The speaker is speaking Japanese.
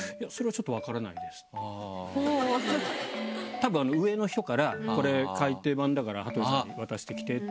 たぶん上の人から「これ改訂版だから羽鳥さんに渡してきて」って。